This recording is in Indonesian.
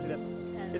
bari bari gapar